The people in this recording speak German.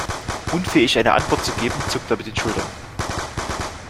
Unfähig eine Antwort zu geben, zuckt er mit den Schultern.